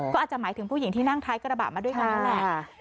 ก็อาจจะหมายถึงผู้หญิงที่นั่งท้ายกระบะมาด้วยกันนั่นแหละ